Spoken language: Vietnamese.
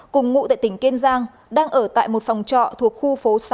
cùng ngụ tại tỉnh kiên giang đang ở tại một phòng trọ thuộc khu phố sáu